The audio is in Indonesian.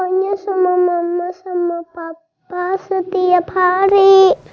maunya sama mama sama papa setiap hari